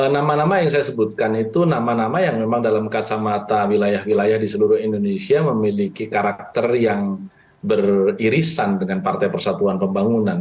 nama nama yang saya sebutkan itu nama nama yang memang dalam kacamata wilayah wilayah di seluruh indonesia memiliki karakter yang beririsan dengan partai persatuan pembangunan